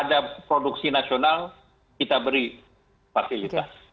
ada produksi nasional kita beri fasilitas